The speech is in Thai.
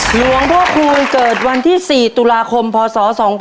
หลวงพ่อคูณเกิดวันที่๔ตุลาคมพศ๒๕๖